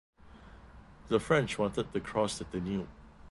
The French wanted to cross the Danube.